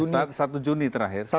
ya satu juni terakhir